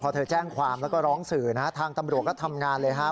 พอเธอแจ้งความแล้วก็ร้องสื่อนะฮะทางตำรวจก็ทำงานเลยฮะ